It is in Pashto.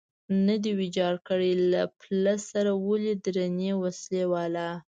نه دی ویجاړ کړی، له پله سره ولې درنې وسلې والا.